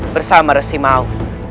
bersama resi mau